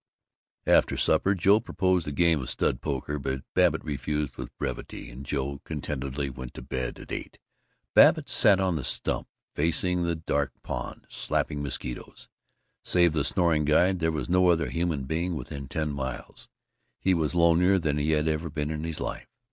After supper Joe proposed a game of stud poker but Babbitt refused with brevity, and Joe contentedly went to bed at eight. Babbitt sat on the stump, facing the dark pond, slapping mosquitos. Save the snoring guide, there was no other human being within ten miles. He was lonelier than he had ever been in his life.